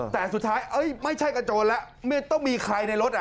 แต่สุดท้ายไม่ใช่กระโจนแล้วไม่ต้องมีใครในรถ